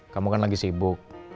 kamu kan lagi sibuk